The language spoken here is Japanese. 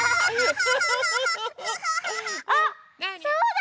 あっそうだ！